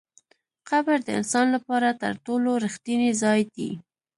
قبر د انسان لپاره تر ټولو رښتینی ځای دی.